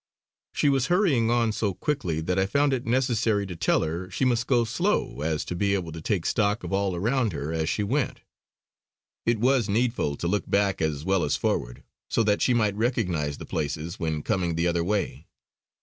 She was hurrying on so quickly that I found it necessary to tell her she must go slow so as to be able to take stock of all around her as she went. It was needful to look back as well as forward, so that she might recognise the places when coming the other way.